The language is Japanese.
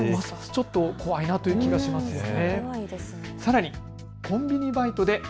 ちょっと怖いなという気がしますね。